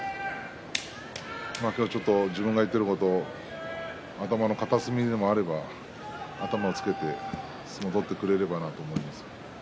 今日はちょっと自分が言っていること頭の片隅にでも上がれば頭をつけて相撲を取ってくれればいいなと思います。